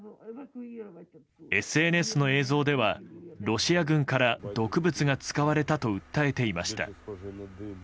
ＳＮＳの映像ではロシア軍から毒物が使われたと訴えていました。